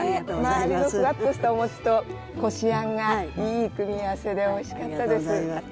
周りのふわっとしたお餅とこしあんがいい組み合わせでおいしかったです。